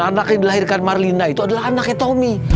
anak yang dilahirkan marlina itu adalah anaknya tommy